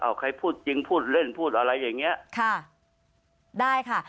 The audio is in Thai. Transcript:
เอาใครพูดจริงพูดเล่นพูดอะไรอย่างเงี้ยค่ะได้ค่ะ